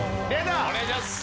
お願いします！